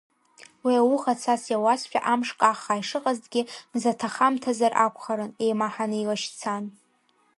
Уи ауха цас иауазшәа амш каххаа ишыҟазгьы, мзаҭахамҭазар акәхарын, еимаҳаны илашьцан.